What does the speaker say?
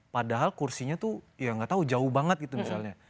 padahal kursinya tuh ya nggak tahu jauh banget gitu misalnya